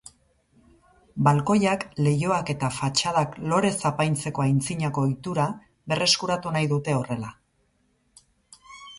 Balkoiak, leihoak eta fatxadak lorez apaintzeko antzinako ohitura berreskuratu nahi dute horrela.